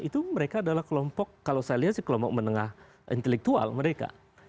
itu mereka adalah kelompok kalau saya lihat sih kelompok menengah intelektual mereka